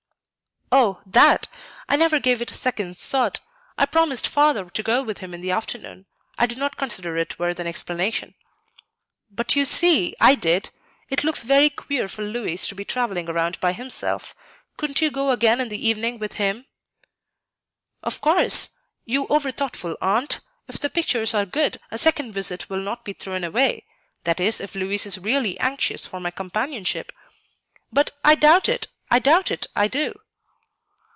"Oh, that? I never gave it a second's thought. I promised Father to go with him in the afternoon; I did not consider it worth an explanation." "But, you see, I did. It looks very queer for Louis to be travelling around by himself; couldn't you go again in the evening with him?" "Of course, you over thoughtful aunt. If the pictures are good, a second visit will not be thrown away, that is, if Louis is really anxious for my companionship. But, 'I doubt it, I doubt it, I do.